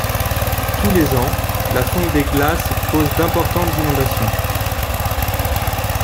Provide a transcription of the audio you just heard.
Tous les ans, la fonte des glaces causent d'importantes inondations.